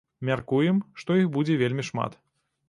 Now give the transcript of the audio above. Мяркуем, што іх будзе вельмі шмат.